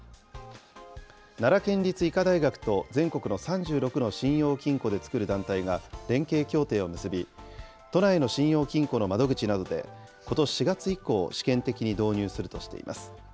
奈良県立医科大学と全国の３６の信用金庫で作る団体が連携協定を結び、都内の信用金庫の窓口などで、ことし４月以降、試験的に導入するとしています。